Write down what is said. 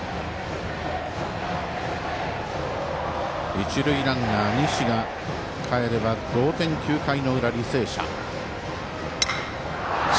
一塁ランナー西がかえれば同点、９回の裏、履正社。